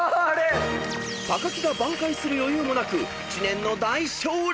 ［木が挽回する余裕もなく知念の大勝利！］